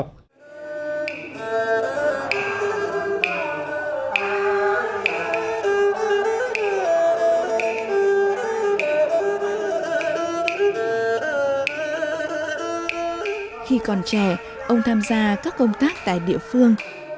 khi còn trẻ ông tham gia các công tác tại địa phương